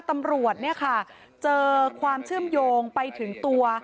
ตำรวจเจอความเชื่อมโยงไปถึงตัว